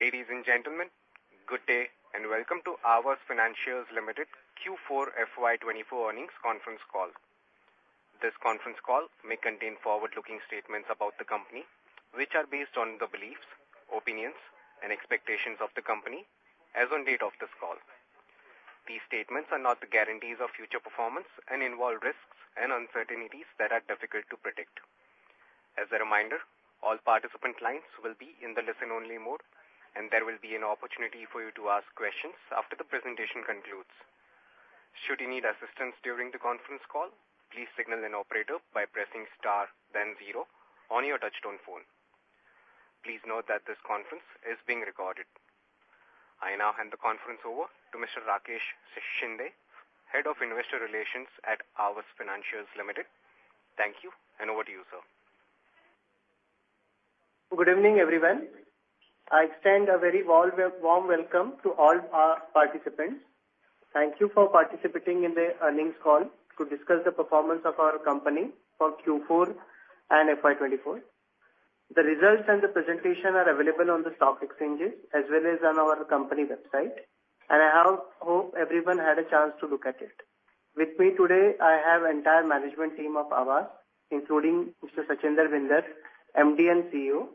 Ladies and gentlemen, good day and welcome to Aavas Financiers Limited Q4 FY24 earnings conference call. This conference call may contain forward-looking statements about the company, which are based on the beliefs, opinions, and expectations of the company as on date of this call. These statements are not the guarantees of future performance and involve risks and uncertainties that are difficult to predict. As a reminder, all participant lines will be in the listen-only mode, and there will be an opportunity for you to ask questions after the presentation concludes. Should you need assistance during the conference call, please signal an operator by pressing star, then zero on your touch-tone phone. Please note that this conference is being recorded. I now hand the conference over to Mr. Rakesh Shinde, Head of Investor Relations at Aavas Financiers Limited. Thank you, and over to you, sir. Good evening, everyone. I extend a very warm welcome to all our participants. Thank you for participating in the earnings call to discuss the performance of our company for Q4 and FY24. The results and the presentation are available on the stock exchanges as well as on our company website, and I hope everyone had a chance to look at it. With me today, I have the entire management team of Aavas, including Mr. Sachinder Bhinder, MD and CEO;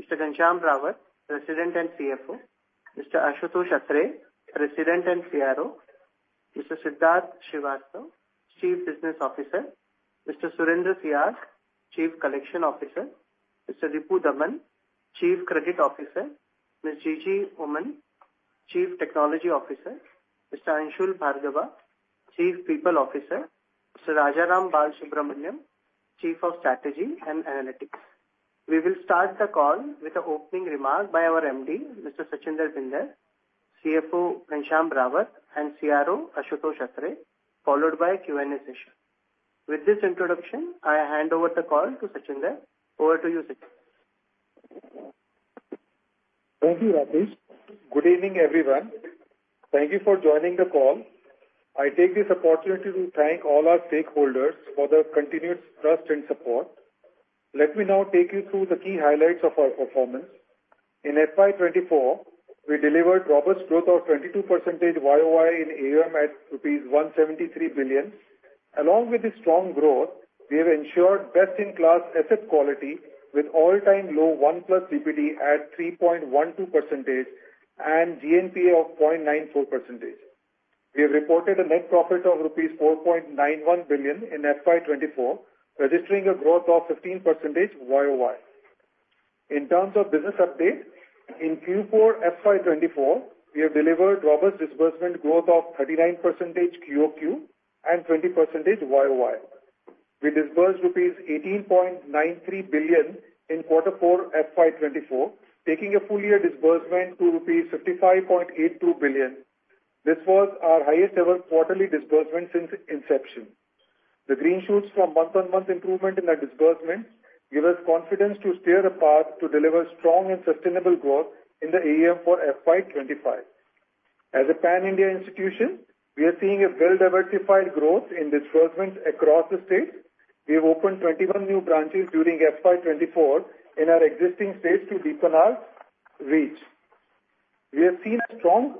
Mr. Ghanshyam Rawat, President and CFO; Mr. Ashutosh Atre, President and CRO; Mr. Siddharth Srivastav, Chief Business Officer; Mr. Surendra Sihag, Chief Collection Officer; Mr. Ripu Daman, Chief Credit Officer; Ms. Jijy Oommen, Chief Technology Officer; Mr. Anshul Bhargava, Chief People Officer; Mr. Rajaram Balasubramaniam, Chief of Strategy and Analytics. We will start the call with an opening remark by our MD, Mr. Sachinder Bhinder, CFO Ghanshyam Rawat, and CRO Ashutosh Atre, followed by a Q&A session. With this introduction, I hand over the call to Sachinder. Over to you, Sachinder. Thank you, Rakesh. Good evening, everyone. Thank you for joining the call. I take this opportunity to thank all our stakeholders for their continued trust and support. Let me now take you through the key highlights of our performance. In FY 2024, we delivered robust growth of 22% YoY in AUM at rupees 173 billion. Along with this strong growth, we have ensured best-in-class asset quality with all-time low 1+ DPD at 3.12% and GNPA of 0.94%. We have reported a net profit of INR 4.91 billion in FY 2024, registering a growth of 15% YoY. In terms of business updates, in Q4 FY 2024, we have delivered robust disbursement growth of 39% QOQ and 20% YoY. We disbursed rupees 18.93 billion in Q4 FY 2024, taking a full-year disbursement to rupees 55.82 billion. This was our highest-ever quarterly disbursement since inception. The green shoots from month-on-month improvement in our disbursement give us confidence to steer a path to deliver strong and sustainable growth in the AUM for FY 2025. As a pan-India institution, we are seeing a well-diversified growth in disbursements across the states. We have opened 21 new branches during FY 2024 in our existing states to deepen our reach. We have seen a strong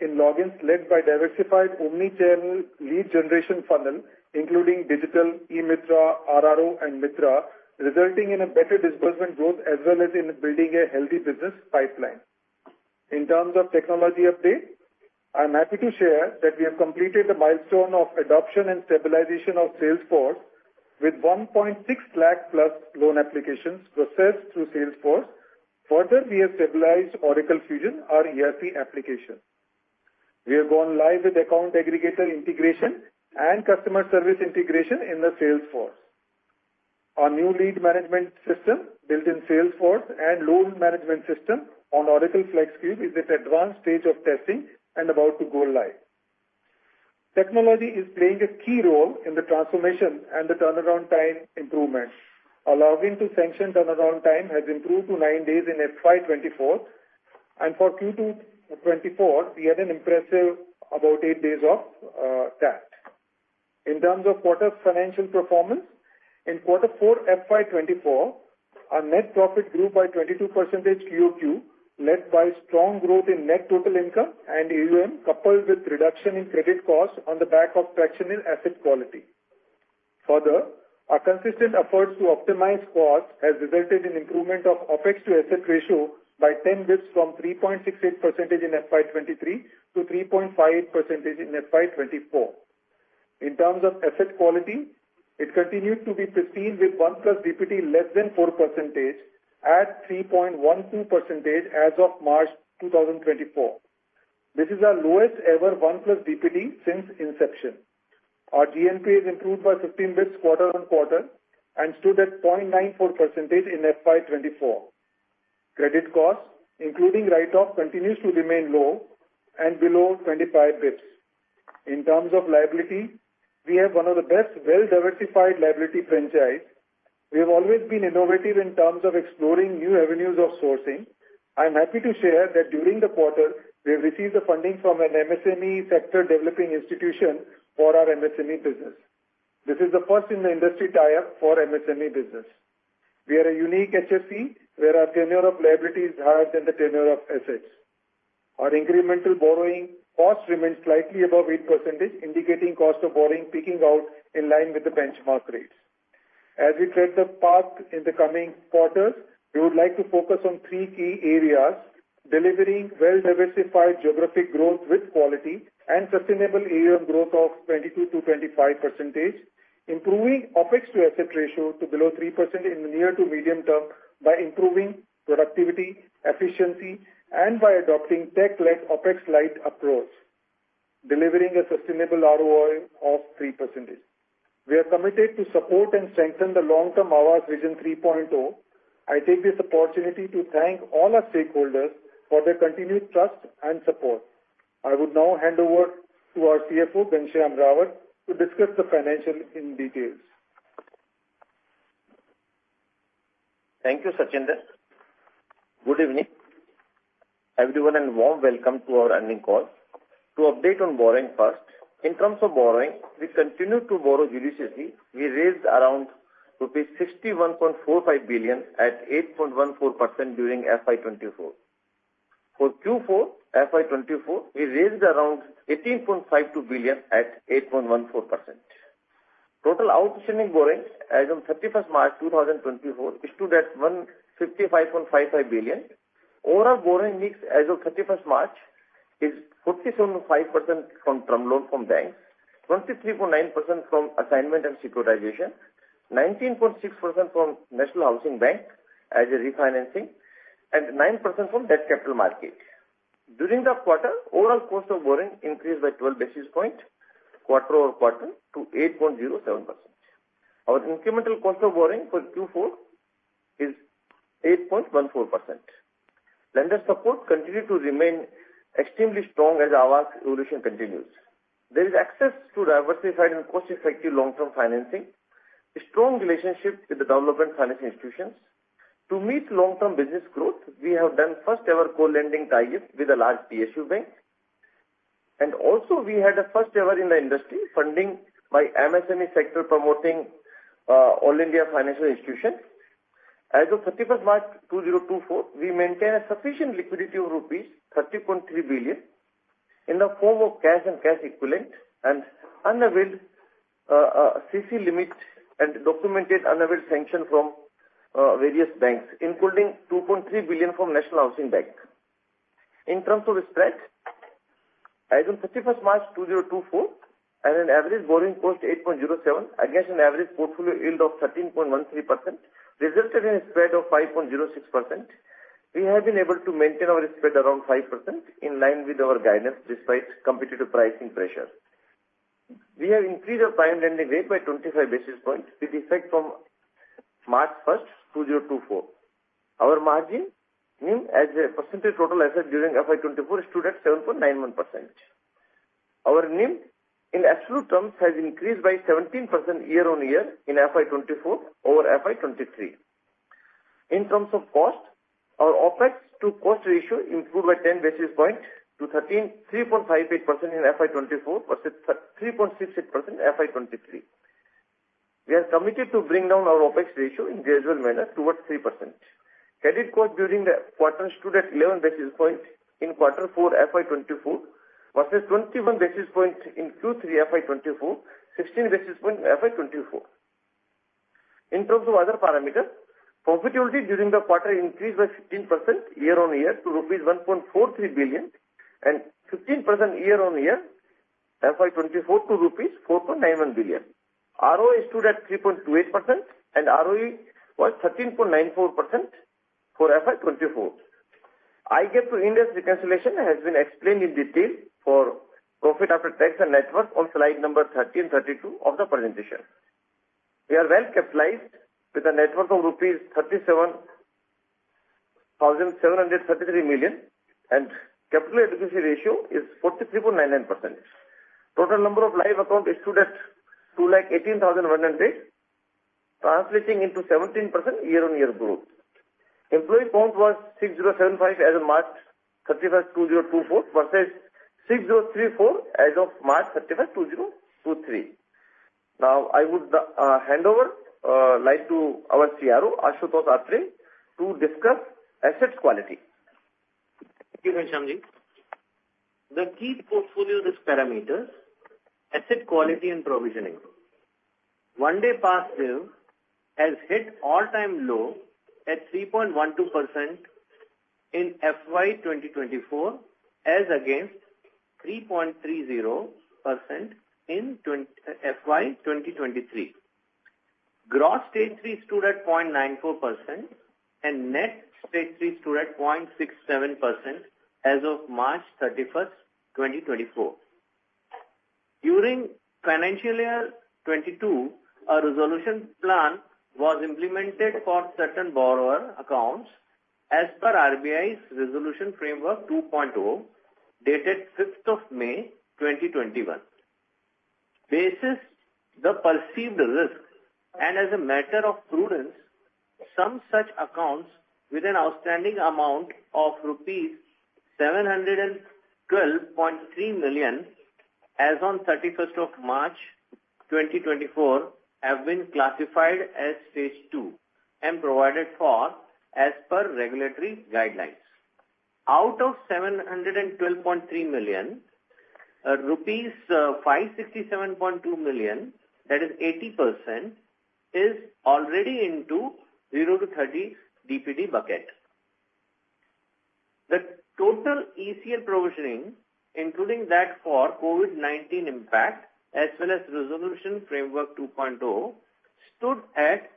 in logins led by diversified omnichannel lead generation funnel, including digital, eMitra, RRO, and MITRA, resulting in better disbursement growth as well as in building a healthy business pipeline. In terms of technology updates, I'm happy to share that we have completed the milestone of adoption and stabilization of Salesforce with 160,000+ loan applications processed through Salesforce. Further, we have stabilized Oracle Fusion, our ERP application. We have gone live with account aggregator integration and customer service integration in the Salesforce. Our new lead management system built in Salesforce and loan management system on Oracle FlexCube is at an advanced stage of testing and about to go live. Technology is playing a key role in the transformation and the turnaround time improvement. Allowing to sanction turnaround time has improved to nine days in FY 2024, and for Q2 2024, we had an impressive about eight days of TAT. In terms of quarter financial performance, in Q4 FY 2024, our net profit grew by 22% QOQ led by strong growth in net total income and AUM coupled with reduction in credit costs on the back of fractional asset quality. Further, our consistent efforts to optimize costs have resulted in improvement of OPEX to asset ratio by 10 basis points from 3.68% in FY 2023 to 3.58% in FY 2024. In terms of asset quality, it continued to be pristine with 1+ DPD less than 4% at 3.12% as of March 2024. This is our lowest-ever 1+ DPD since inception. Our GNPA has improved by 15 bps quarter-onquarter and stood at 0.94% in FY 2024. Credit costs, including write-off, continues to remain low and below 25 bps. In terms of liability, we have one of the best well-diversified liability franchises. We have always been innovative in terms of exploring new avenues of sourcing. I'm happy to share that during the quarter, we have received the funding from an MSME sector developing institution for our MSME business. This is the first in the industry tie-up for MSME business. We are a unique HFC where our tenure of liabilities is higher than the tenure of assets. Our incremental borrowing cost remains slightly above 8%, indicating cost of borrowing peaking out in line with the benchmark rates. As we tread the path in the coming quarters, we would like to focus on three key areas: delivering well-diversified geographic growth with quality and sustainable AUM growth of 22%-25%; improving OPEX to asset ratio to below 3% in the near to medium term by improving productivity, efficiency, and by adopting tech-led OPEX-light approach; delivering a sustainable ROI of 3%. We are committed to support and strengthen the long-term Aavas Vision 3.0. I take this opportunity to thank all our stakeholders for their continued trust and support. I would now hand over to our CFO, Ghanshyam Rawat, to discuss the financials in detail. Thank you, Sachinder. Good evening, everyone, and warm welcome to our earnings call. To update on borrowing first, in terms of borrowing, we continue to borrow judiciously. We raised around 61.45 billion rupees at 8.14% during FY 2024. For Q4 FY 2024, we raised around 18.52 billion at 8.14%. Total outstanding borrowing as of March 31, 2024 stood at 155.55 billion. Overall borrowing mix as of March 31st is 47.5% from term loan from banks, 23.9% from assignment and securitization, 19.6% from National Housing Bank as a refinancing, and 9% from debt capital market. During the quarter, overall cost of borrowing increased by 12 basis points quarter-over-quarter to 8.07%. Our incremental cost of borrowing for Q4 is 8.14%. Lender support continued to remain extremely strong as Aavas evolution continues. There is access to diversified and cost-effective long-term financing, a strong relationship with the development finance institutions. To meet long-term business growth, we have done the first-ever co-lending tie-up with a large PSU bank, and also we had the first-ever in the industry funding by MSME sector promoting all-India financial institutions. As of March 31, 2024, we maintain a sufficient liquidity of rupees 30.3 billion in the form of cash and cash equivalent and unavailed CC limit and documented unavailed sanction from various banks, including 2.3 billion from National Housing Bank. In terms of spread, as of March 31, 2024, at an average borrowing cost of 8.07 against an average portfolio yield of 13.13%, resulted in a spread of 5.06%. We have been able to maintain our spread around 5% in line with our guidance despite competitive pricing pressure. We have increased our prime lending rate by 25 basis points with effect from March 1, 2024. Our margin NIM as a percentage total asset during FY 2024 stood at 7.91%. Our NIM in absolute terms has increased by 17% year-over-year in FY 2024 over FY 2023. In terms of cost, our OPEX to cost ratio improved by 10 basis points to 13.58% in FY 2024 versus 3.68% in FY 2023. We are committed to bring down our OPEX ratio in a gradual manner towards 3%. Credit cost during the quarter stood at 11 basis points in Q4 FY 2024 versus 21 basis points in Q3 FY 2024, 16 basis points in FY 2024. In terms of other parameters, profitability during the quarter increased by 15% year-over-year to rupees 1.43 billion and 15% year-over-year FY 2024 to rupees 4.91 billion. ROE stood at 3.28% and ROE was 13.94% for FY 2024. IGAAP to Ind AS reconciliation has been explained in detail for profit after tax and net worth on slides 13 and 32 of the presentation. We are well capitalized with a net worth of rupees 37,733 million and capital adequacy ratio is 43.99%. Total number of live accounts stood at 218,100, translating into 17% year-on-year growth. Employee count was 6,075 as of March 31, 2024 versus 6,034 as of March 31, 2023. Now, I would hand over the mic to our CRO, Ashutosh Atre, to discuss asset quality. Thank you, Ghanshyam Ji. The key portfolio risk parameters, asset quality and provisioning, 1+ DPD has hit all-time low at 3.12% in FY 2024 as against 3.30% in FY 2023. Gross Stage 3 stood at 0.94% and net Stage 3 stood at 0.67% as of March 31, 2024. During FY 2022, a resolution plan was implemented for certain borrower accounts as per RBI's Resolution Framework 2.0 dated May 5, 2021. Based on the perceived risk and as a matter of prudence, some such accounts with an outstanding amount of rupees 712.3 million as of March 31, 2024 have been classified as Stage 2 and provided for as per regulatory guidelines. Out of 712.3 million rupees, rupees 567.2 million, that is 80%, is already into 0-30 DPD bucket. The total ECL provisioning, including that for COVID-19 impact as well as Resolution Framework 2.0, stood at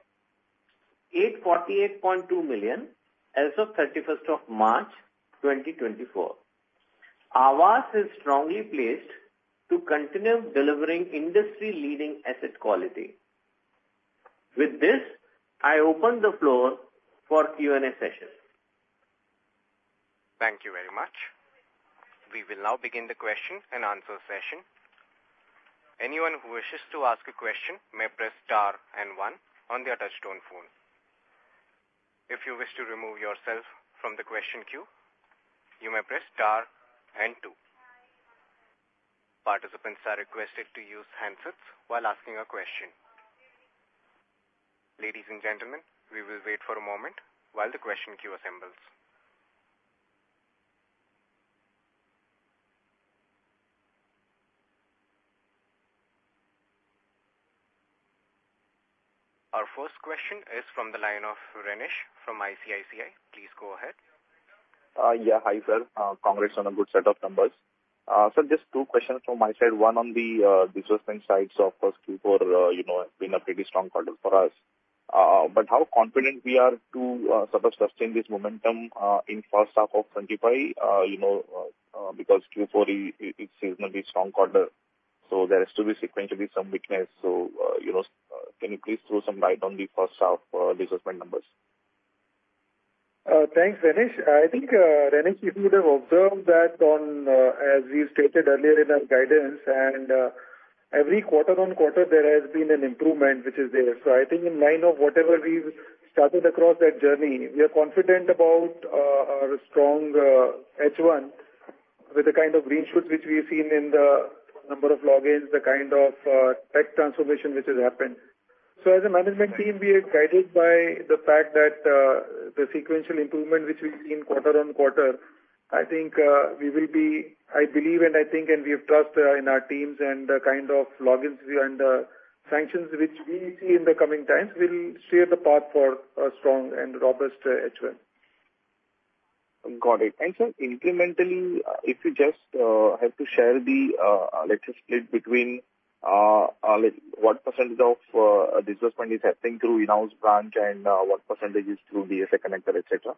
848.2 million as of 31st of March 2024. Aavas is strongly placed to continue delivering industry-leading asset quality. With this, I open the floor for Q&A session. Thank you very much. We will now begin the question and answer session. Anyone who wishes to ask a question may press star and one on the touch-tone phone. If you wish to remove yourself from the question queue, you may press star and two. Participants are requested to use handsets while asking a question. Ladies and gentlemen, we will wait for a moment while the question queue assembles. Our first question is from the line of Renish from ICICI. Please go ahead. Yeah, hi sir. Congrats on a good set of numbers. Sir, just two questions from my side. One on the disbursement side. So of course, Q4 has been a pretty strong quarter for us. But how confident we are to sort of sustain this momentum in first half of 2025 because Q4 is seasonally strong quarter, so there has to be sequentially some weakness. So can you please throw some light on the first half disbursement numbers? Thanks, Renish. I think, Renish, you would have observed that as we stated earlier in our guidance, and every quarter-over-quarter, there has been an improvement which is there. So I think in line of whatever we've started across that journey, we are confident about our strong H1 with the kind of green shoots which we've seen in the number of logins, the kind of tech transformation which has happened. So as a management team, we are guided by the fact that the sequential improvement which we've seen quarter-over-quarter, I think we will be I believe and I think and we have trust in our teams and the kind of logins and sanctions which we see in the coming times will share the path for a strong and robust H1. Got it. Sir, incrementally, if you just have to share, let's just split between what percentage of disbursement is happening through in-house branch and what percentage is through DSA connector, etc.?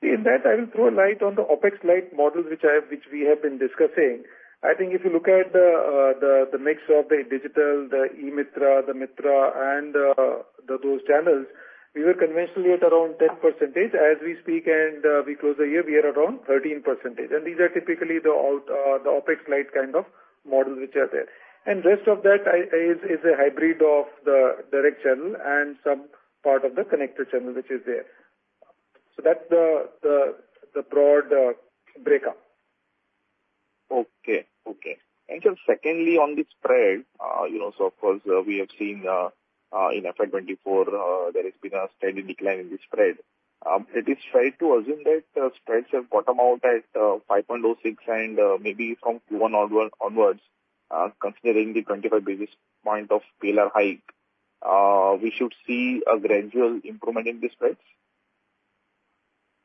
See, in that, I will throw a light on the OPEX-light model which we have been discussing. I think if you look at the mix of the digital, the eMitra, the Mitra, and those channels, we were conventionally at around 10%. As we speak and we close the year, we are around 13%. And these are typically the OPEX-light kind of models which are there. And the rest of that is a hybrid of the direct channel and some part of the connector channel which is there. So that's the broad breakup. Sir, secondly, on the spread, so of course, we have seen in FY 2024, there has been a steady decline in the spread. It is fair to assume that spreads have bottomed out at 5.06 and maybe from Q1 onwards, considering the 25 basis points PLR hike, we should see a gradual improvement in the spreads?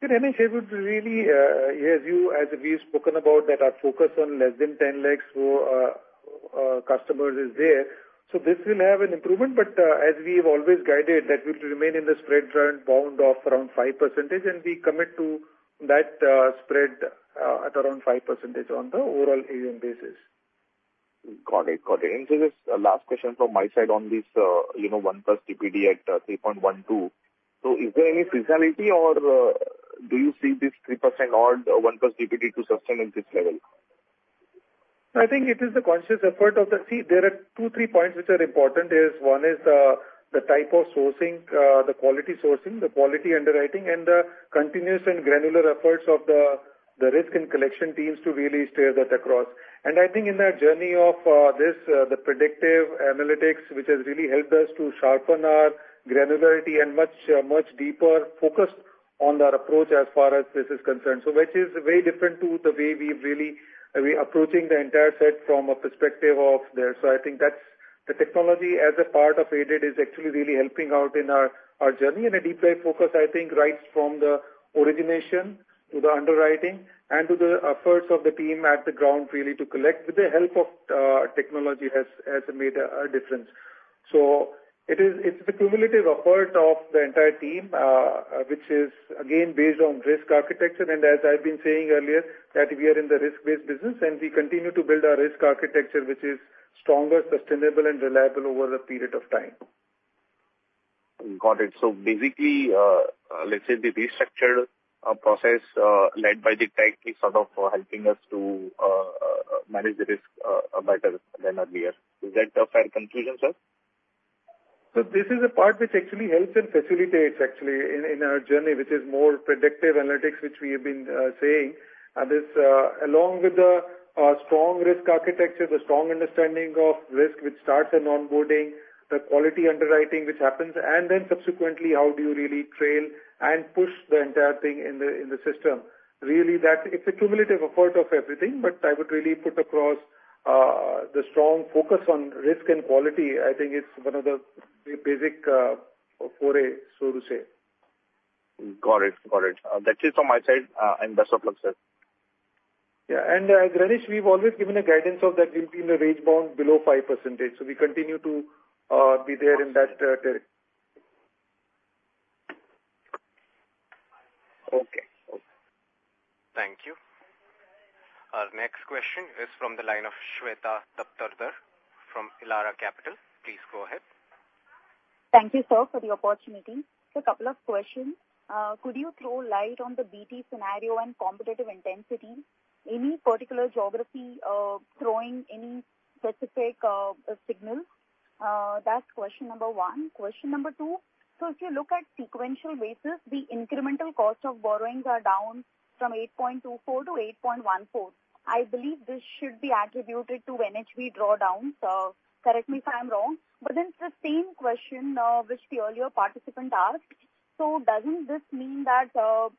Sir, Renish, I would really ask you, as we've spoken about that, our focus on less than 10 lakhs customers is there. So this will have an improvement, but as we have always guided, that will remain in the spread bound of around 5%, and we commit to that spread at around 5% on the overall AUM basis. Got it. Got it. And sir, just a last question from my side on this 1+ DPD at 3.12. So is there any seasonality, or do you see this 3% odd 1+ DPD to sustain at this level? I think it is the conscious effort of the team. See, there are two, three points which are important. One is the type of sourcing, the quality sourcing, the quality underwriting, and the continuous and granular efforts of the risk and collection teams to really spread that across. I think in that journey of this, the predictive analytics which has really helped us to sharpen our granularity and much, much deeper focus on our approach as far as this is concerned, so which is very different to the way we're really approaching the entire set from a perspective of there. I think that's the technology as a part of DD is actually really helping out in our journey. A deeper focus, I think, right from the origination to the underwriting and to the efforts of the team at the ground really to collect with the help of technology has made a difference. So it's a cumulative effort of the entire team which is, again, based on risk architecture. As I've been saying earlier, that we are in the risk-based business, and we continue to build our risk architecture which is stronger, sustainable, and reliable over a period of time. Got it. So basically, let's say the restructured process led by the tech is sort of helping us to manage the risk better than earlier. Is that a fair conclusion, sir? This is a part which actually helps and facilitates actually in our journey which is more predictive analytics which we have been saying. Along with the strong risk architecture, the strong understanding of risk which starts at onboarding, the quality underwriting which happens, and then subsequently, how do you really trail and push the entire thing in the system. Really, it's a cumulative effort of everything, but I would really put across the strong focus on risk and quality. I think it's one of the basic foray, so to say. Got it. Got it. That's it from my side, and best of luck, sir. Yeah. As Renish, we've always given a guidance of that we'll be range-bound below 5%. So we continue to be there in that terrain. Okay. Okay. Thank you. Our next question is from the line of Shweta Daptardar from Elara Capital. Please go ahead. Thank you, sir, for the opportunity. Just a couple of questions. Could you throw light on the BT scenario and competitive intensity? Any particular geography throwing any specific signals? That's question number one. Question number two, so if you look at sequential basis, the incremental cost of borrowings are down from 8.24-8.14. I believe this should be attributed to when we draw down. So correct me if I'm wrong. But then it's the same question which the earlier participant asked. So doesn't this mean that the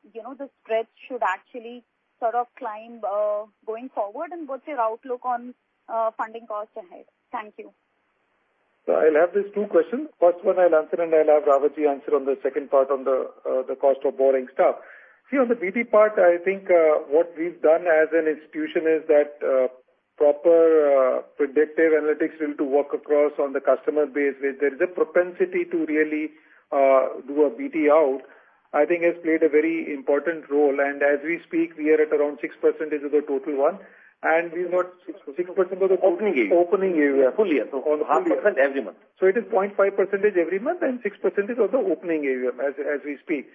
spreads should actually sort of climb going forward? And what's your outlook on funding cost ahead? Thank you. So I'll have these two questions. First one, I'll answer, and I'll have [Ravaji] answer on the second part on the cost of borrowing stuff. See, on the BT part, I think what we've done as an institution is that proper predictive analytics really to work across on the customer base where there is a propensity to really do a BT out, I think has played a very important role. And as we speak, we are at around 6% of the total one, and we've got 6% of the total. Opening AUM? Opening AUM, yeah. Fully, yeah. So 1% every month. So it is 0.5% every month and 6% of the opening AUM as we speak.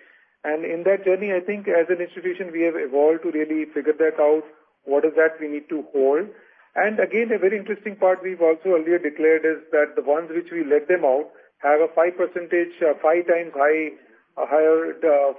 And in that journey, I think as an institution, we have evolved to really figure that out. What is that we need to hold? And again, a very interesting part we've also earlier declared is that the ones which we let them out have a 5%, 5 times higher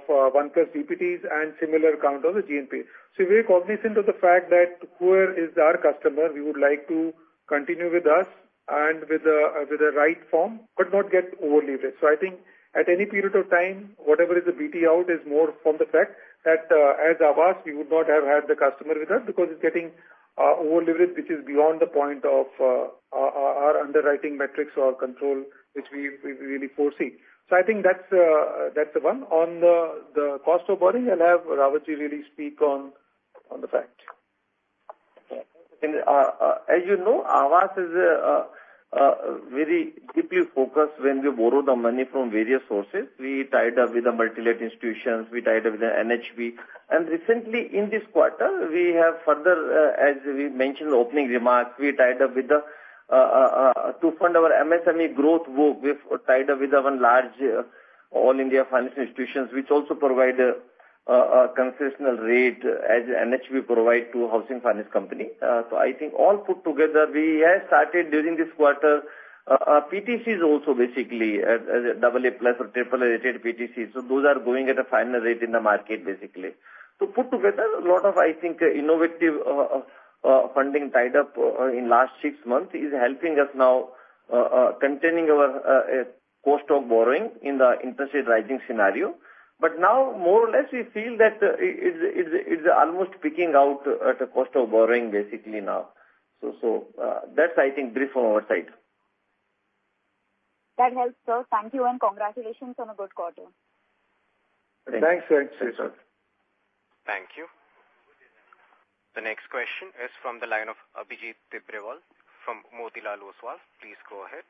1+ DPDs and similar count on the GNPA. So we're cognizant of the fact that whoever is our customer, we would like to continue with us and with the right form but not get overleverage. So, I think at any period of time, whatever is the BT out is more from the fact that as Aavas, we would not have had the customer with us because it's getting overleverage which is beyond the point of our underwriting metrics or control which we really foresee. So, I think that's the one. On the cost of borrowing, I'll have [Ravaji] really speak on the fact. Okay. As you know, Aavas is very deeply focused when we borrow the money from various sources. We tied up with the multilateral institutions. We tied up with the NHB. And recently, in this quarter, we have further, as we mentioned in the opening remarks, we tied up with the to fund our MSME growth work. We've tied up with one large all-India finance institutions which also provide a concessional rate as NHB provides to housing finance company. So I think all put together, we have started during this quarter, PTCs also basically as double A plus or triple A rated PTCs. So those are going at a finer rate in the market basically. So put together, a lot of, I think, innovative funding tied up in last six months is helping us now containing our cost of borrowing in the interest rate rising scenario. But now, more or less, we feel that it's almost picking out at the cost of borrowing basically now. So that's, I think, brief from our side. That helps, sir. Thank you and congratulations on a good quarter. Thanks, Shweta. Thank you. The next question is from the line of Abhijit Tibrewal from Motilal Oswal. Please go ahead.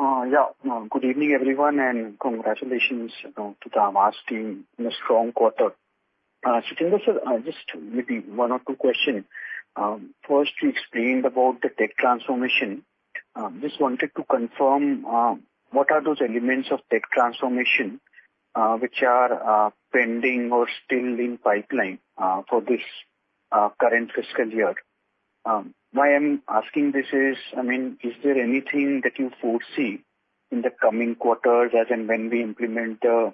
Yeah. Good evening, everyone, and congratulations to the Aavas team in a strong quarter. Sachinder sir, just maybe one or two questions. First, you explained about the tech transformation. Just wanted to confirm, what are those elements of tech transformation which are pending or still in pipeline for this current fiscal year? Why I'm asking this is, I mean, is there anything that you foresee in the coming quarters as and when we implement the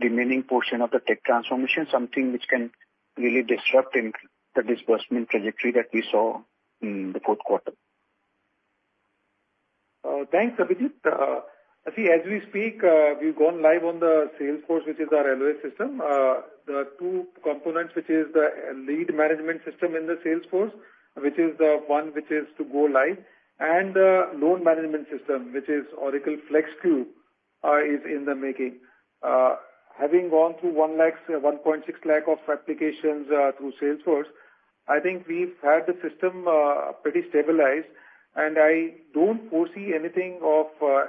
remaining portion of the tech transformation, something which can really disrupt the disbursement trajectory that we saw in the fourth quarter? Thanks, Abhijit. See, as we speak, we've gone live on the Salesforce which is our LOS system. The two components which is the lead management system in the Salesforce which is the one which is to go live and the loan management system which is Oracle FlexCube is in the making. Having gone through 160,000 of applications through Salesforce, I think we've had the system pretty stabilized, and I don't foresee anything of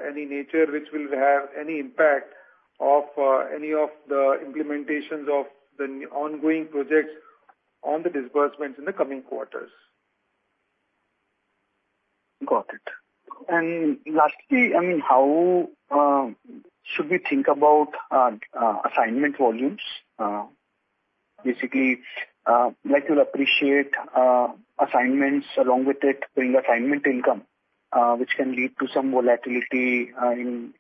any nature which will have any impact of any of the implementations of the ongoing projects on the disbursements in the coming quarters. Got it. And lastly, I mean, how should we think about assignment volumes? Basically, like you'll appreciate, assignments along with it bring assignment income which can lead to some volatility in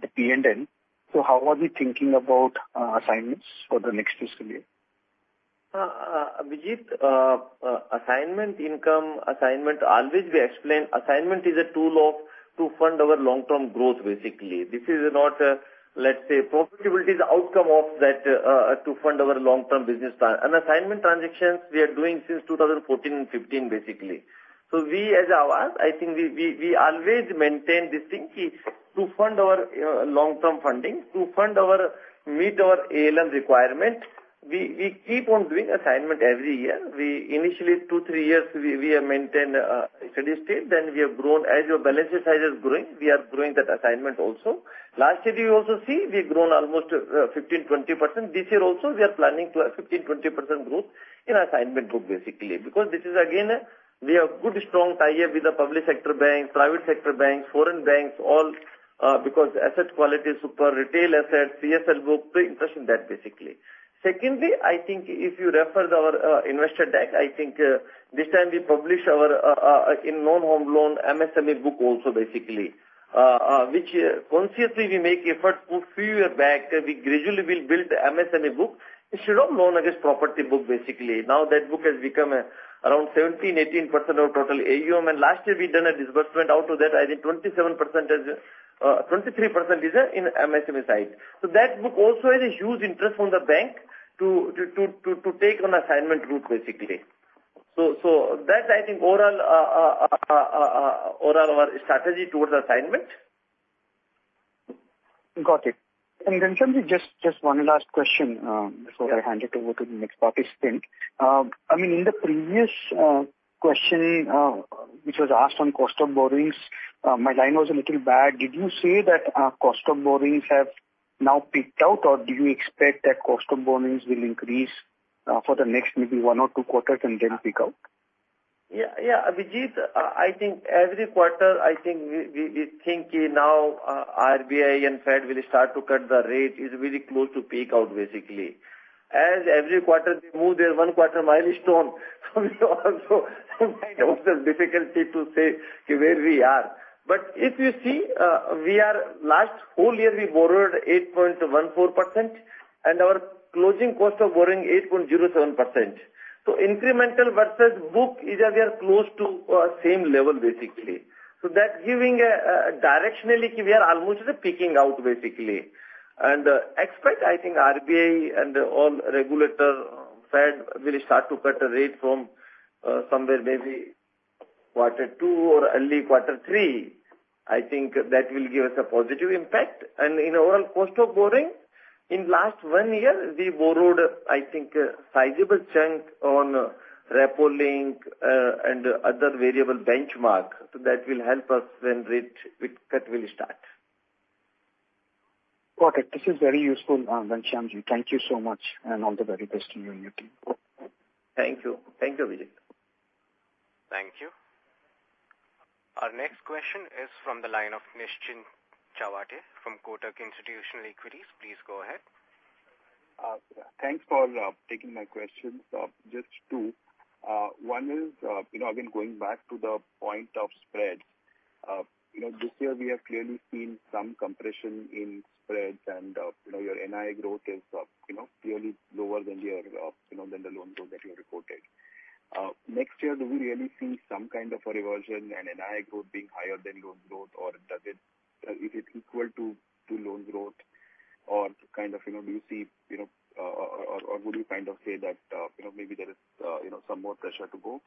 the P&L. So how are we thinking about assignments for the next fiscal year? Abhijit, assignment income, assignment, always we explain assignment is a tool to fund our long-term growth basically. This is not, let's say, profitability is outcome of that to fund our long-term business plan. And assignment transactions we are doing since 2014 and 2015 basically. So we as Aavas, I think we always maintain this thing to fund our long-term funding, to meet our ALM requirement. We keep on doing assignment every year. Initially, two, three years, we have maintained steady state. Then we have grown. As your balance sheet size is growing, we are growing that assignment also. Last year, you also see we've grown almost 15%-20%. This year also, we are planning to have 15%-20% growth in assignment book basically because this is, again, we have good strong tie-up with the public sector banks, private sector banks, foreign banks all because asset quality is super, retail assets, CSL book, pretty impressive that basically. Secondly, I think if you refer to our investor deck, I think this time we publish our non-home loan MSME book also basically which consciously we make efforts to fund back. We gradually will build the MSME book instead of loan against property book basically. Now, that book has become around 17%-18% of total AUM. And last year, we've done a disbursement out of that. I think 27% 23% in MSME side. So that book also has a huge interest from the bank to take on assignment route basically. That's, I think, overall our strategy towards assignment. Got it. And Ghanshyam, just one last question before I hand it over to the next participant. I mean, in the previous question which was asked on cost of borrowings, my line was a little bad. Did you say that cost of borrowings have now picked out, or do you expect that cost of borrowings will increase for the next maybe one or two quarters and then peak out? Yeah. Yeah. Abhijit, I think every quarter, I think we think now RBI and Fed will start to cut the rate. It's very close to peak out basically. As every quarter, they move their one-quarter milestone. So we also find ourselves difficulty to say where we are. But if you see, last whole year, we borrowed 8.14% and our closing cost of borrowing 8.07%. So incremental versus book either we are close to same level basically. So that's giving directionally that we are almost peaking out basically. And expect, I think, RBI and all regulator, Fed will start to cut the rate from somewhere maybe quarter two or early quarter three. I think that will give us a positive impact. And in overall cost of borrowing, in last one year, we borrowed, I think, a sizable chunk on RepoLink and other variable benchmark. So that will help us when rate cut will start. Got it. This is very useful, Ghanshyam. Thank you so much and all the very best to you and your team. Thank you. Thank you, Abhijit. Thank you. Our next question is from the line of Nischint Chawathe from Kotak Institutional Equities. Please go ahead. Thanks for taking my questions. Just two. One is, again, going back to the point of spreads. This year, we have clearly seen some compression in spreads, and your NI growth is clearly lower than the loan growth that you reported. Next year, do we really see some kind of a reversion and NI growth being higher than loan growth, or is it equal to loan growth, or kind of do you see or would you kind of say that maybe there is some more pressure to go?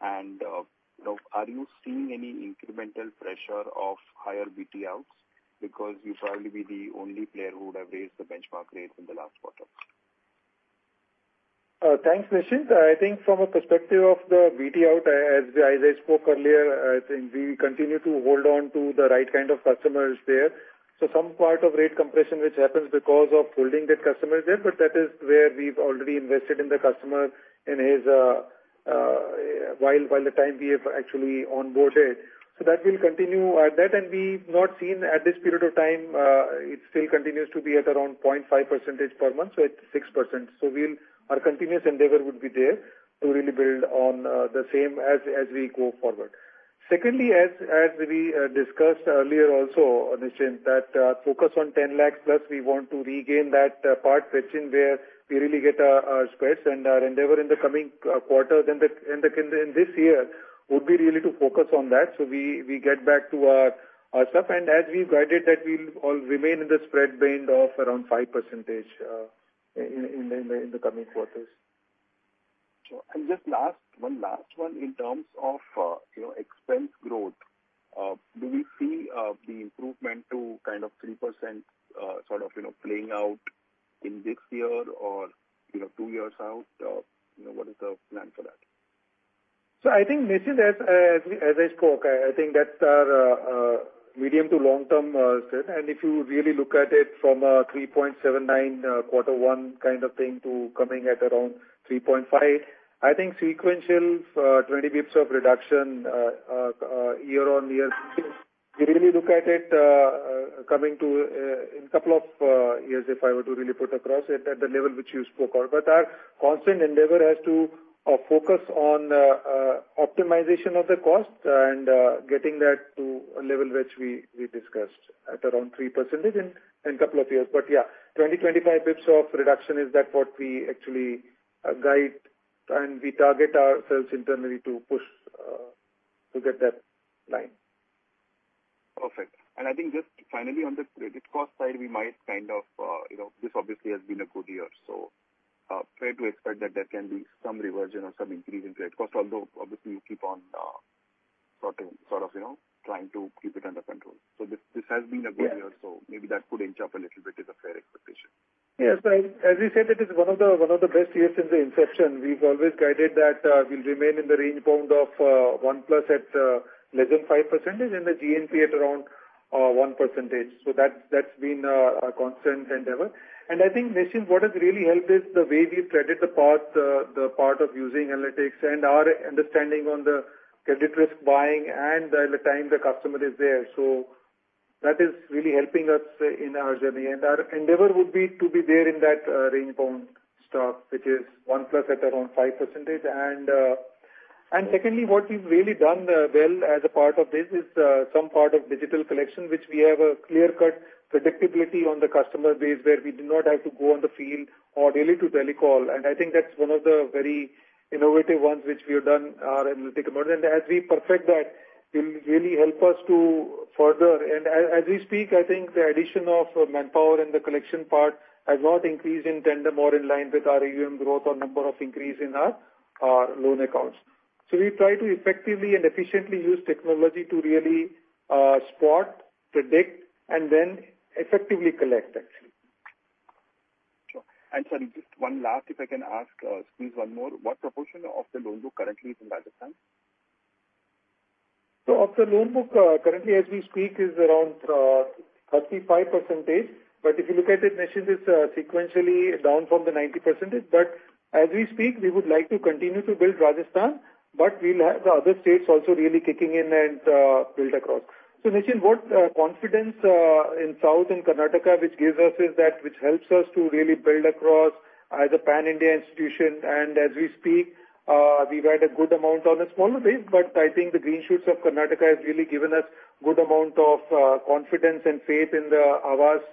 And are you seeing any incremental pressure of higher BT outs because you probably be the only player who would have raised the benchmark rates in the last quarter? Thanks, Nischint. I think from a perspective of the BT out, as I spoke earlier, I think we continue to hold on to the right kind of customers there. So some part of rate compression which happens because of holding that customer there, but that is where we've already invested in the customer while the time we have actually onboarded. So that will continue at that. And we've not seen at this period of time, it still continues to be at around 0.5% per month, so at 6%. So our continuous endeavor would be there to really build on the same as we go forward. Secondly, as we discussed earlier also, Nischint, that focus on 10 lakhs plus, we want to regain that part stretching where we really get our spreads. Our endeavor in the coming quarter then in this year would be really to focus on that. We get back to our stuff. As we've guided that, we'll all remain in the spread band of around 5% in the coming quarters. Sure. Just one last one in terms of expense growth, do we see the improvement to kind of 3% sort of playing out in this year or two years out? What is the plan for that? So I think, Nischint, as I spoke, I think that's our medium- to long-term step. And if you really look at it from a 3.79 quarter one kind of thing to coming at around 3.5, I think sequential 20 bps of reduction year-on-year. If you really look at it coming to in a couple of years if I were to really put across it at the level which you spoke of. But our constant endeavor has to focus on optimization of the cost and getting that to a level which we discussed at around 3% in a couple of years. But yeah, 20-25 bps of reduction, is that what we actually guide and we target ourselves internally to push to get that line? Perfect. I think just finally, on the credit cost side, we might kind of this obviously has been a good year. So fair to expect that there can be some reversion or some increase in credit cost, although obviously, you keep on sort of trying to keep it under control. So this has been a good year, so maybe that could inch up a little bit is a fair expectation. Yes. As we said, it is one of the best years since the inception. We've always guided that we'll remain in the range bound of 1+ at less than 5% and the GNP at around 1%. So that's been our constant endeavor. And I think, Nischint, what has really helped is the way we've treaded the path, the part of using analytics and our understanding on the credit risk buying and the time the customer is there. So that is really helping us in our journey. And our endeavor would be to be there in that range bound stuff which is 1+ at around 5%. And secondly, what we've really done well as a part of this is some part of digital collection which we have a clear-cut predictability on the customer base where we do not have to go on the field or daily to telecall. And I think that's one of the very innovative ones which we have done our analytic model. And as we perfect that, it will really help us to further and as we speak, I think the addition of manpower in the collection part has not increased in tandem or in line with our AUM growth or number of increase in our loan accounts. So we try to effectively and efficiently use technology to really spot, predict, and then effectively collect actually. Sure. And sorry, just one last if I can ask, squeeze one more. What proportion of the loan book currently is in Rajasthan? So of the loan book currently, as we speak, is around 35%. But if you look at it, Nischint, it's sequentially down from the 90%. But as we speak, we would like to continue to build Rajasthan, but we'll have the other states also really kicking in and build across. So Nischint, what confidence in South and Karnataka which gives us is that which helps us to really build across as a pan-India institution. And as we speak, we've had a good amount on a smaller base, but I think the green shoots of Karnataka have really given us good amount of confidence and faith in the Aavas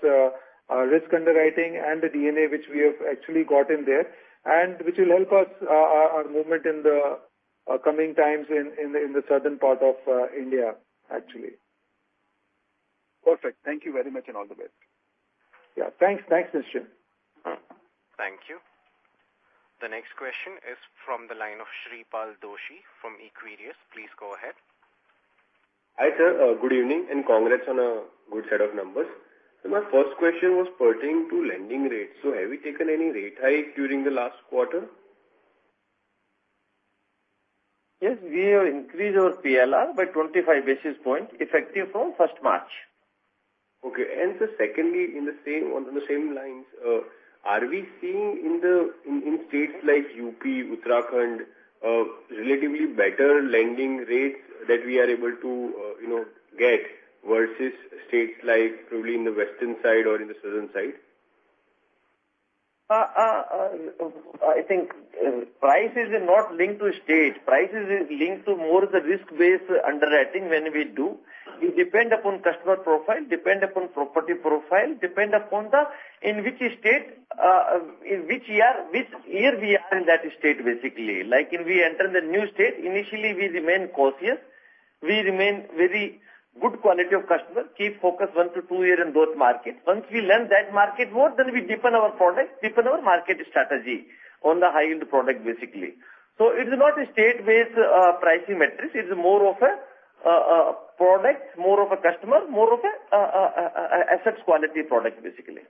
risk underwriting and the DNA which we have actually gotten there and which will help us our movement in the coming times in the southern part of India actually. Perfect. Thank you very much and all the best. Yeah. Thanks. Thanks, Nischint. Thank you. The next question is from the line of Shreepal Doshi from Equirus. Please go ahead. Hi sir. Good evening and congrats on a good set of numbers. My first question was pertaining to lending rates. Have we taken any rate hike during the last quarter? Yes. We have increased our PLR by 25 basis points effective from March 1st. Okay. And so secondly, in the same lines, are we seeing in states like UP, Uttarakhand relatively better lending rates that we are able to get versus states like probably in the western side or in the southern side? I think price is not linked to state. Price is linked to more the risk-based underwriting when we do. It depends upon customer profile, depends upon property profile, depends upon in which state, in which year, which year we are in that state basically. Like when we enter the new state, initially, we remain cautious. We remain very good quality of customer, keep focus 1-2 years in both markets. Once we lend that market more, then we deepen our product, deepen our market strategy on the high-yield product basically. So it's not a state-based pricing matrix. It's more of a product, more of a customer, more of an assets quality product basically.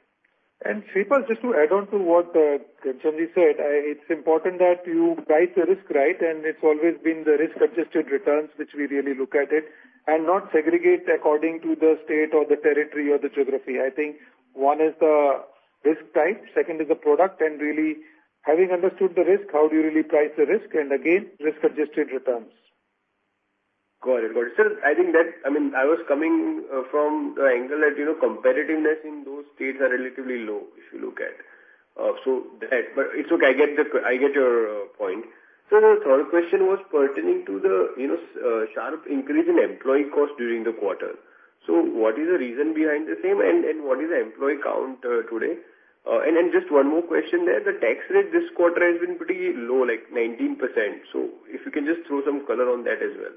Shreepal, just to add on to what Ghanshyam said, it's important that you guide the risk right, and it's always been the risk-adjusted returns which we really look at it and not segregate according to the state or the territory or the geography. I think one is the risk type, second is the product, and really having understood the risk, how do you really price the risk? And again, risk-adjusted returns. Got it. Got it. Sir, I think that I mean, I was coming from the angle that competitiveness in those states are relatively low if you look at so that. But it's okay. I get your point. So the third question was pertaining to the sharp increase in employee cost during the quarter. So what is the reason behind the same, and what is the employee count today? And then just one more question there. The tax rate this quarter has been pretty low, like 19%. So if you can just throw some color on that as well.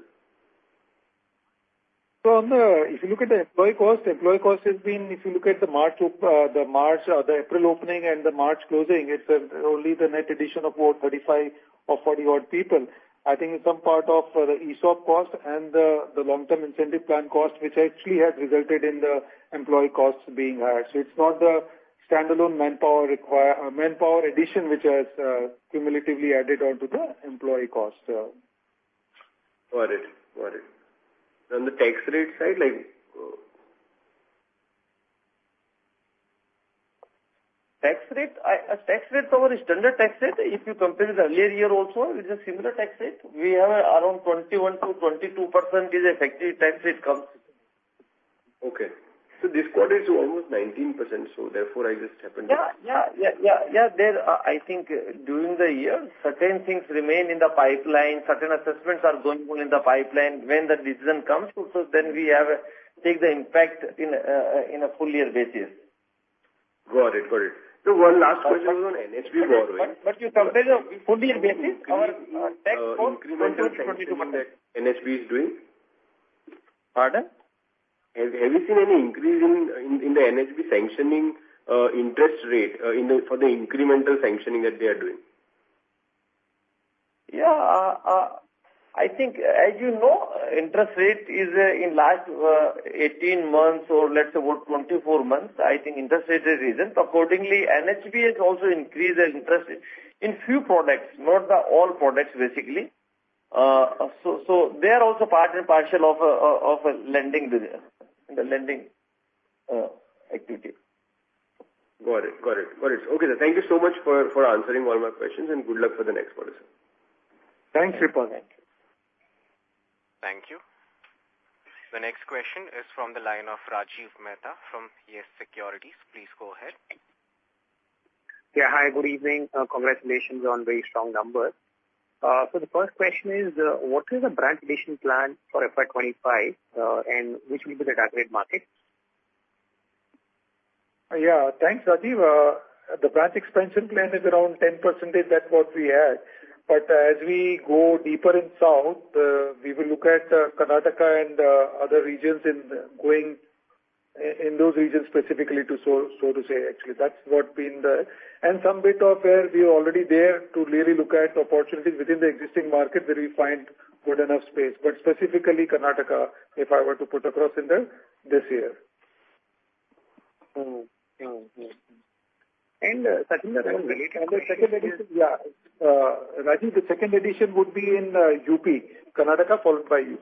So if you look at the employee cost, employee cost has been if you look at the March or the April opening and the March closing, it's only the net addition of about 35 or 40-odd people. I think it's some part of the ESOP cost and the long-term incentive plan cost which actually has resulted in the employee costs being higher. So it's not the standalone manpower addition which has cumulatively added onto the employee cost. Got it. Got it. On the tax rate side, like? Tax rate? A tax rate coverage standard tax rate, if you compare with the earlier year also, it's a similar tax rate. We have around 21%-22% effective tax rate comes. Okay. So this quarter is almost 19%. So therefore, I just happened to. I think during the year, certain things remain in the pipeline. Certain assessments are going on in the pipeline when the decision comes. So then we have take the impact in a full-year basis. Got it. Got it. So one last question was on NHB borrowing. You compare the full-year basis, our tax cost went to 22%. incremental tax NHB is doing? Pardon? Have you seen any increase in the NHB sanctioning interest rate for the incremental sanctioning that they are doing? Yeah. I think as you know, interest rate is in last 18 months or let's say about 24 months, I think interest rate has risen. Accordingly, NHB has also increased the interest in few products, not all products basically. They are also part and partial of the lending activity. Got it. Got it. Got it. Okay sir, thank you so much for answering all my questions, and good luck for the next quarter, sir. Thanks, Shreepal. Thank you. Thank you. The next question is from the line of Rajiv Mehta from Yes Securities. Please go ahead. Yeah. Hi. Good evening. Congratulations on very strong numbers. So the first question is, what is the branch addition plan for FY 2025, and which will be the targeted market? Yeah. Thanks, Rajiv. The branch expansion plan is around 10%. That's what we had. But as we go deeper in south, we will look at Karnataka and other regions in those regions specifically to so to say actually. That's what's been the and some bit of where we're already there to really look at opportunities within the existing market where we find good enough space. But specifically, Karnataka, if I were to put across in there this year. Secondary one related to. The secondary yeah. Rajiv, the second addition would be in UP, Karnataka followed by UP.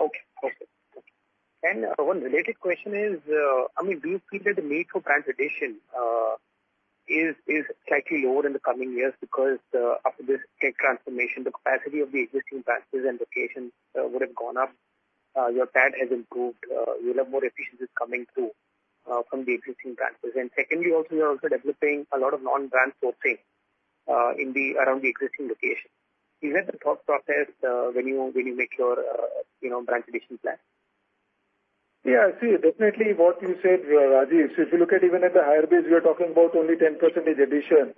Okay. Okay. Okay. And one related question is, I mean, do you feel that the need for branch addition is slightly lower in the coming years because after this tech transformation, the capacity of the existing branches and locations would have gone up? Your TAT has improved. You'll have more efficiencies coming through from the existing branches. And secondly, also, you're also developing a lot of non-branch sourcing around the existing location. Is that the thought process when you make your branch addition plan? Yeah. See, definitely what you said, Rajiv. So if you look at even at the higher base, we are talking about only 10% addition.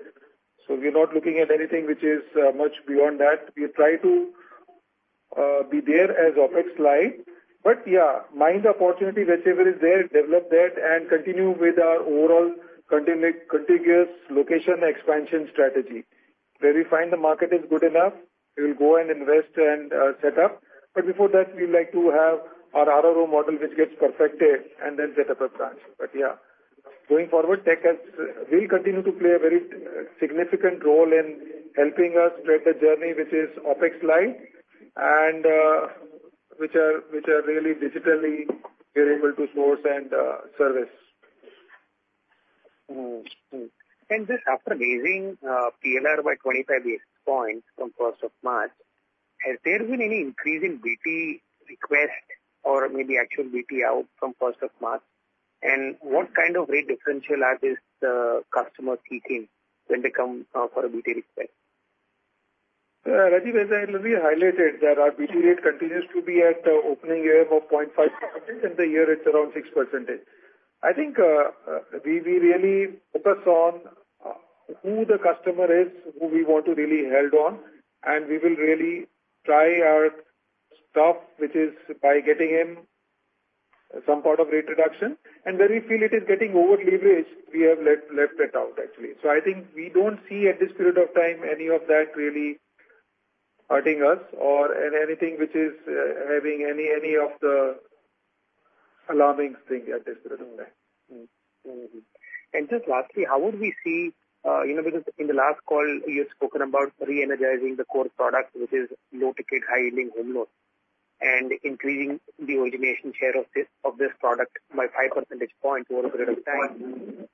So we're not looking at anything which is much beyond that. We try to be there as OPEX light. But yeah, mind the opportunity whichever is there, develop that, and continue with our overall contiguous location expansion strategy. Where we find the market is good enough, we'll go and invest and set up. But before that, we'd like to have our RRO model which gets perfected and then set up a branch. But yeah, going forward, tech will continue to play a very significant role in helping us tread the journey which is OPEX light and which are really digitally we're able to source and service. Just after raising PLR by 25 basis points from March 1st, has there been any increase in BT request or maybe actual BT out from 1stMarch? What kind of rate differential are these customers seeking when they come for a BT request? Rajiv, as I already highlighted, that our BT rate continues to be at the opening year of 0.5% and the year it's around 6%. I think we really focus on who the customer is, who we want to really hold on, and we will really try our stuff which is by getting him some part of rate reduction. And where we feel it is getting overleverage, we have left that out actually. So I think we don't see at this period of time any of that really hurting us or anything which is having any of the alarming thing at this period of time. And just lastly, how would we see, because in the last call, you had spoken about re-energizing the core product, which is low-ticket, high-yielding home loans, and increasing the origination share of this product by 5 pp over a period of time.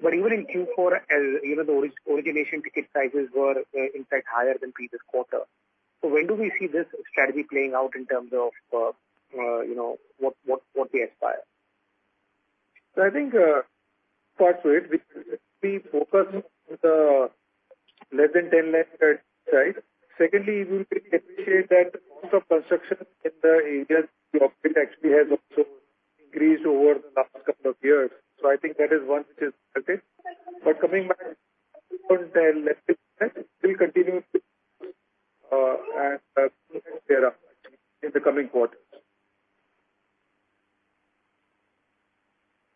But even in Q4, the origination ticket sizes were, in fact, higher than previous quarter. So when do we see this strategy playing out in terms of what we aspire? So, I think parts of it, we focus on the less than 10 lakh side. Secondly, we will appreciate that the cost of construction in the areas we operate actually has also increased over the last couple of years. So, I think that is one which is relevant. But coming back to the less than 10 lakh side, we'll continue to focus and. And there are actually in the coming quarters.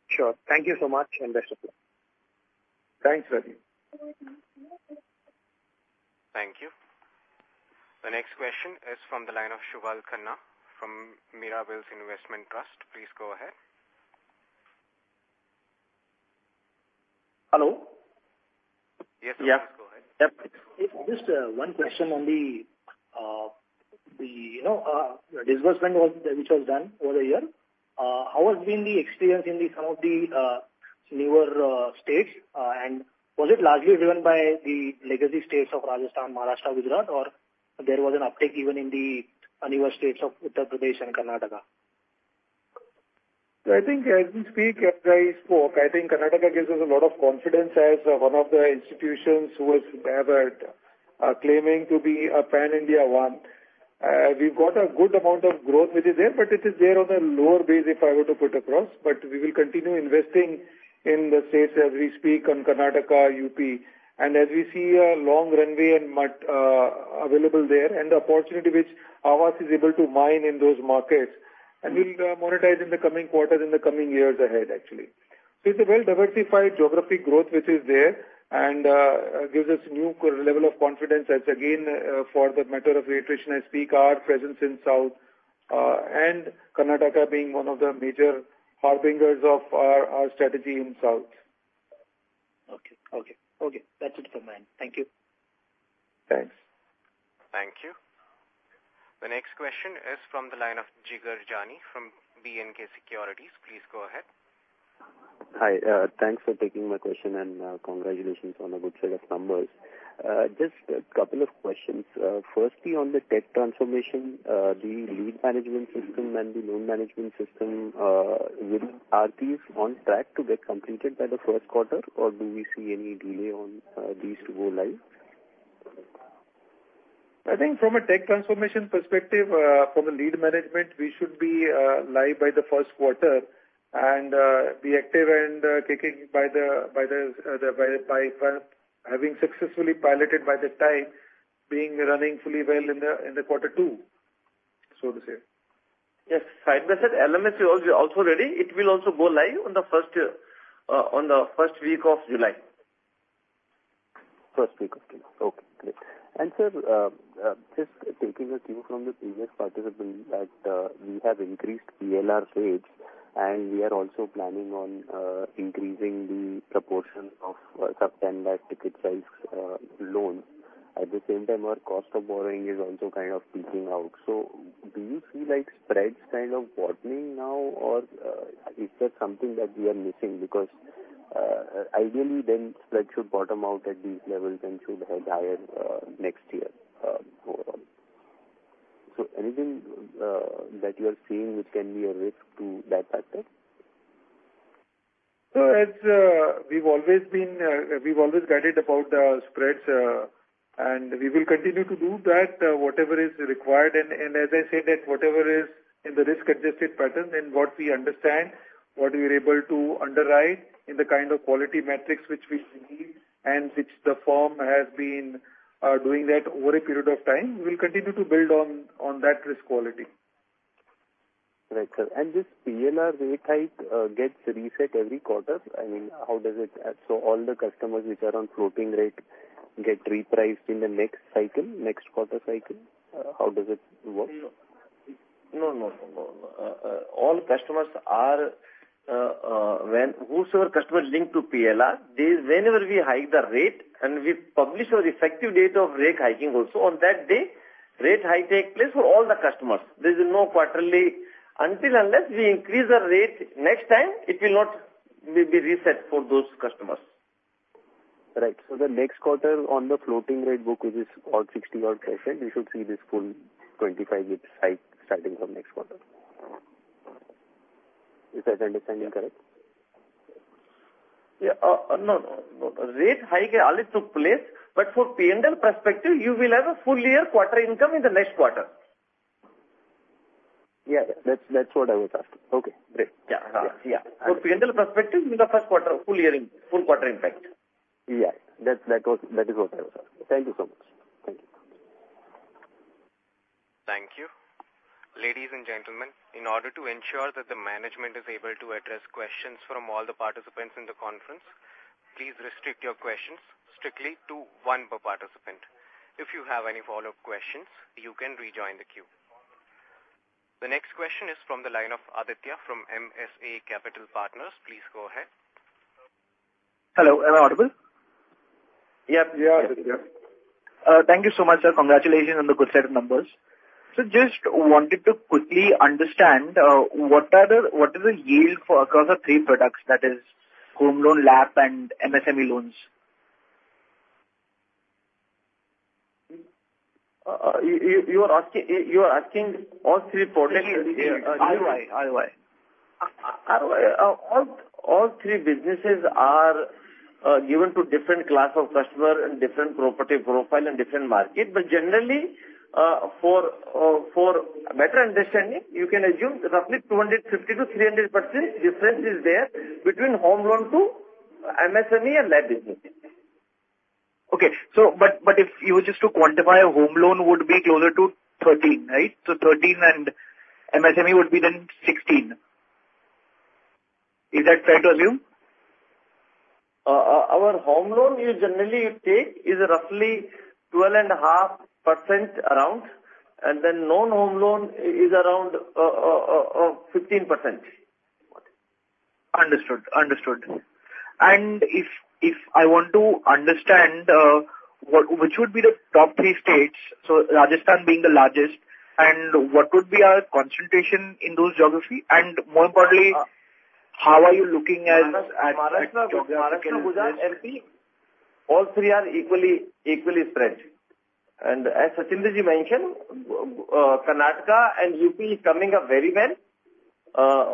Sure. Thank you so much, and best of luck.. Thanks, Rajiv. Thank you. The next question is from the line of Subhal Khanna from Mirabilis Investment Trust. Please go ahead. Hello? Yes, sir. Please go ahead. Yep. Just one question on the disbursement which was done over the year. How has been the experience in some of the newer states? And was it largely driven by the legacy states of Rajasthan, Maharashtra, Gujarat, or there was an uptake even in the newer states of Uttar Pradesh and Karnataka? So I think as we speak, as I spoke, I think Karnataka gives us a lot of confidence as one of the institutions who is claiming to be a pan-India one. We've got a good amount of growth which is there, but it is there on a lower base if I were to put across. But we will continue investing in the states as we speak on Karnataka, UP. And as we see a long runway available there and the opportunity which Aavas is able to mine in those markets, and we'll monetize in the coming quarters, in the coming years ahead actually. So it's a well-diversified geographic growth which is there and gives us a new level of confidence that's again for the matter of reiteration, I speak, our presence in south and Karnataka being one of the major harbingers of our strategy in south. Okay. Okay. Okay. That's it from my end. Thank you. Thanks. Thank you. The next question is from the line of Jigar Jani from B & K Securities. Please go ahead. Hi. Thanks for taking my question, and congratulations on a good set of numbers. Just a couple of questions. Firstly, on the tech transformation, the lead management system and the loan management system, are these on track to get completed by the first quarter, or do we see any delay on these to go live? I think from a tech transformation perspective, from the lead management, we should be live by the first quarter and be active and kicking by having successfully piloted by the time, being running fully well in the quarter two, so to say. Yes. Side by side, LMS is also ready. It will also go live on the first week of July. First week of July. Okay. Great. And sir, just taking a cue from the previous participant, we have increased PLR rates, and we are also planning on increasing the proportion of sub-10 lakh ticket size loans. At the same time, our cost of borrowing is also kind of peaking out. So do you feel like spreads kind of widening now, or is that something that we are missing? Because ideally, then spreads should bottom out at these levels and should head higher next year overall. So anything that you are seeing which can be a risk to that factor? So we've always guided about the spreads, and we will continue to do that whatever is required. And as I said, that whatever is in the risk-adjusted pattern and what we understand, what we're able to underwrite in the kind of quality metrics which we believe and which the firm has been doing that over a period of time, we'll continue to build on that risk quality. Right, sir. This PLR rate hike gets reset every quarter? I mean, how does it so all the customers which are on floating rate get repriced in the next cycle, next quarter cycle? How does it work? No, no, no, no, no. All customers are whosoever customers linked to PLR, whenever we hike the rate and we publish our effective date of rate hiking also on that day, rate hike takes place for all the customers. There is no quarterly until unless we increase the rate next time, it will not be reset for those customers. Right. So the next quarter on the floating rate book which is 0.60%, you should see this full 25 basis point hike starting from next quarter. Is that understanding correct? Yeah. No, no, no. Rate hike always took place, but for P&L perspective, you will have a full-year quarter income in the next quarter. Yeah. That's what I was asking. Okay. Great. Yeah. For P&L perspective, you will have first quarter full-quarter impact. Yeah. That is what I was asking. Thank you so much. Thank you. Thank you. Ladies and gentlemen, in order to ensure that the management is able to address questions from all the participants in the conference, please restrict your questions strictly to one per participant. If you have any follow-up questions, you can rejoin the queue. The next question is from the line of Aditya from MSA Capital Partners. Please go ahead. Hello. Am I audible? Yep. You're audible. Thank you so much, sir. Congratulations on the good set of numbers. So just wanted to quickly understand what is the yield across the three products, that is home loan, LAP, and MSME loans? You are asking all three products? Right. Right. All three businesses are given to different class of customer and different property profile and different market. But generally, for better understanding, you can assume roughly 250%-300% difference is there between home loan to MSME and LAP business. Okay. But if you were just to quantify, a home loan would be closer to 13, right? So 13 and MSME would be then 16. Is that right to assume? Our home loan you generally take is roughly 12.5% around, and then non-home loan is around 15%. Understood. Understood. If I want to understand which would be the top three states, so Rajasthan being the largest, and what would be our concentration in those geographies? More importantly, how are you looking at? Maharashtra, Gujarat, and MP, all three are equally spread. As Sachinder ji mentioned, Karnataka and UP is coming up very well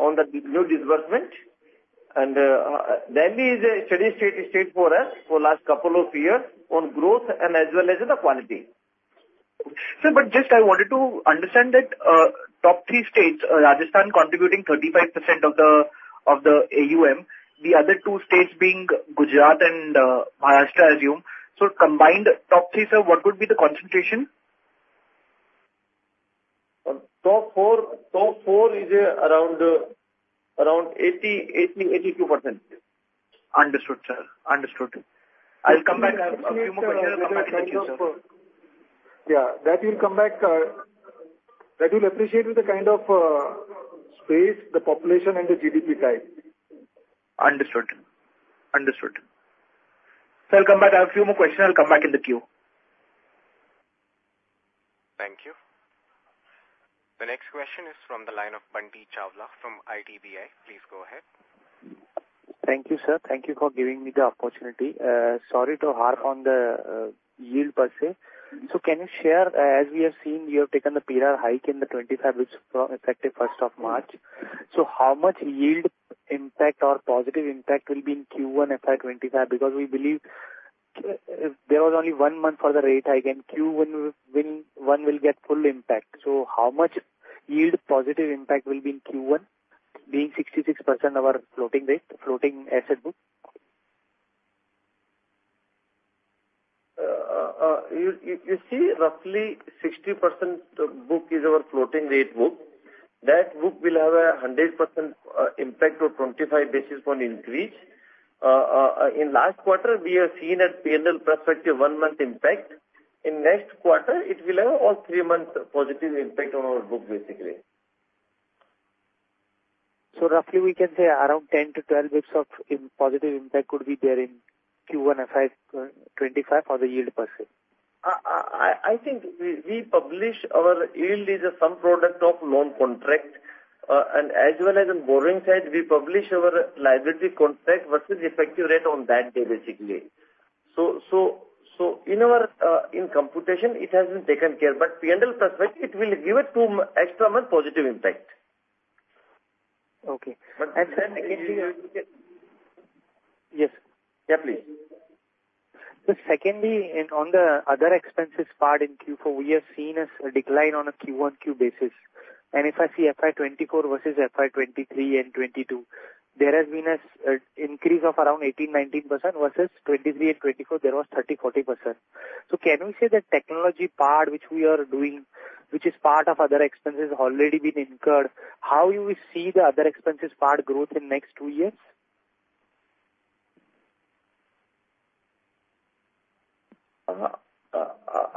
on the new disbursement. Delhi is a steady state for us for the last couple of years on growth and as well as the quality. Sir, but just I wanted to understand that top three states, Rajasthan contributing 35% of the AUM, the other two states being Gujarat and Maharashtra, I assume. So combined top three, sir, what would be the concentration? Top four is around 80%-82%. Understood, sir. Understood. I'll come back. I have a few more questions. I'll come back in the queue, sir. Yeah. That you'll come back, that you'll appreciate with the kind of space, the population, and the GDP type. Understood. Understood. So I'll come back. I have a few more questions. I'll come back in the queue. Thank you. The next question is from the line of Bunty Chawla from IDBI. Please go ahead. Thank you, sir. Thank you for giving me the opportunity. Sorry to harp on the yield per se. So can you share, as we have seen, you have taken the PLR hike of 25 basis points effective March 1st. So how much yield impact or positive impact will be in Q1 FY 2025? Because we believe there was only one month for the rate hike, and Q1 will get full impact. So how much yield positive impact will be in Q1, being 66% of our floating asset book? You see, roughly 60% book is our floating rate book. That book will have a 100% impact or 25 basis point increase. In last quarter, we have seen at P&L perspective one month impact. In next quarter, it will have all three months positive impact on our book, basically. Roughly, we can say around 10-12 basis points of positive impact would be there in Q1 FY 2025 for the yield per se? I think we publish our yield as a sum product of loan contract. And as well as on borrowing side, we publish our liability contract versus effective rate on that day, basically. So in computation, it has been taken care. But P&L perspective, it will give us two extra month positive impact. Okay. And secondly. Secondly, you can see. Yes. Yeah, please. So, secondly, on the other expenses part in Q4, we have seen a decline on a QoQ basis. And if I see FY 2024 versus FY 2023 and 2022, there has been an increase of around 18%-19% versus 2023 and 2024. There was 30%-40%. So can we say that technology part which we are doing, which is part of other expenses already been incurred? How you will see the other expenses part growth in next two years?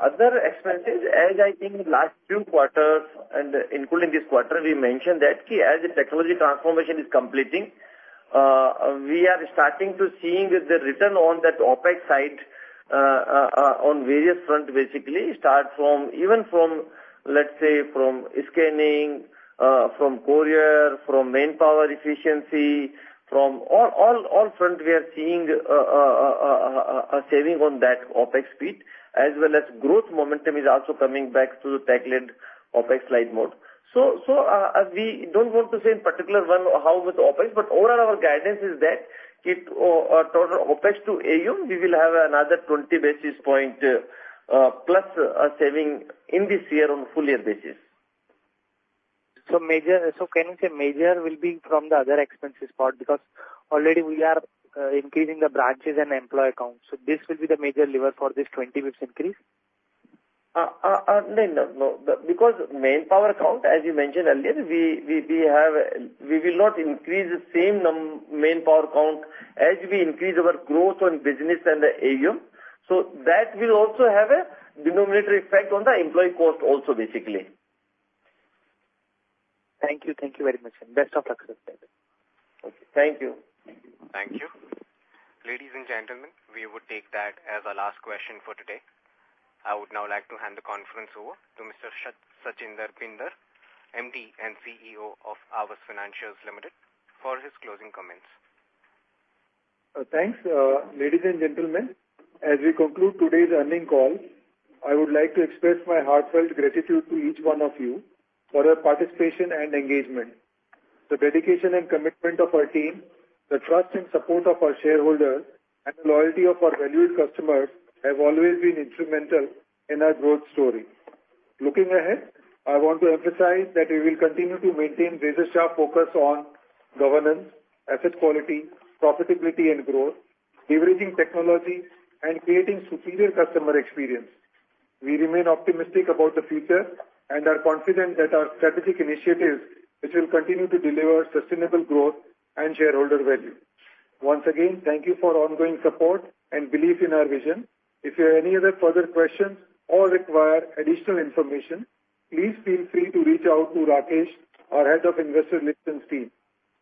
Other expenses, as I think last few quarters and including this quarter, we mentioned that as the technology transformation is completing, we are starting to see the return on that OPEX side on various fronts, basically, even from, let's say, from scanning, from courier, from manpower efficiency, from all fronts, we are seeing a saving on that OPEX spend as well as growth momentum is also coming back to the tech-led OPEX slide mode. So we don't want to say in particular one how with OPEX, but overall, our guidance is that total OPEX to AUM, we will have another 20 basis points plus a saving in this year on a full-year basis. Can you say major will be from the other expenses part? Because already, we are increasing the branches and employee accounts. This will be the major lever for this 20 bps increase? No, no, no. Because manpower count, as you mentioned earlier, we will not increase the same manpower count as we increase our growth on business and the AUM. So that will also have a denominator effect on the employee cost also, basically. Thank you. Thank you very much, sir. Best of luck, sir. Okay. Thank you. Thank you. Ladies and gentlemen, we would take that as our last question for today. I would now like to hand the conference over to Mr. Sachinder Bhinder, MD and CEO of Aavas Financiers Limited, for his closing comments. Thanks. Ladies and gentlemen, as we conclude today's earnings call, I would like to express my heartfelt gratitude to each one of you for your participation and engagement. The dedication and commitment of our team, the trust and support of our shareholders, and the loyalty of our valued customers have always been instrumental in our growth story. Looking ahead, I want to emphasize that we will continue to maintain razor-sharp focus on governance, asset quality, profitability, and growth, leveraging technology, and creating superior customer experience. We remain optimistic about the future and are confident that our strategic initiatives, which will continue to deliver sustainable growth and shareholder value. Once again, thank you for ongoing support and belief in our vision. If you have any other further questions or require additional information, please feel free to reach out to Rakesh, our Head of Investor Relations.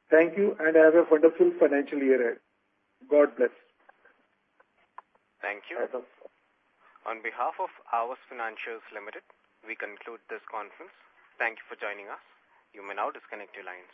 Thank you, and have a wonderful financial year ahead. God bless. Thank you. On behalf of Aavas Financiers Limited, we conclude this conference. Thank you for joining us. You may now disconnect your lines.